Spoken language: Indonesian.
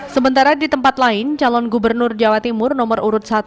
sementara di tempat lain calon gubernur jawa timur nomor urut satu